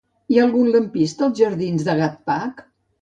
Hi ha algun lampista als jardins del Gatcpac?